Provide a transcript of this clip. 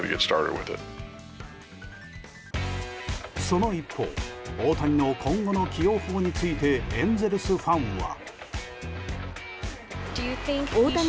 その一方大谷の今後の起用法についてエンゼルスファンは。